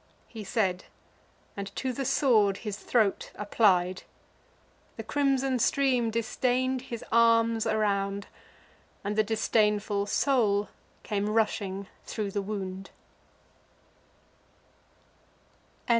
He said, and to the sword his throat applied. The crimson stream distain'd his arms around, And the disdainful soul came rushing thro' the wound.